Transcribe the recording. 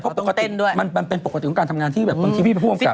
เพราะปกติมันเป็นปกติของการทำงานที่พี่ประภูมิกับ